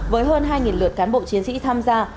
với hơn hai lượt cán bộ chiến sĩ tham gia